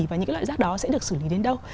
và những loại rác đó sẽ được xử lý đến đâu